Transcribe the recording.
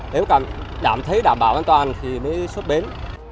nếu cảm thấy đảm bảo an toàn thì mới xuất bến